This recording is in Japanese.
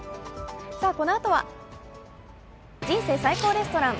このあとは「人生最高レストラン」。